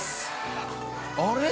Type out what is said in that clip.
◆あれ？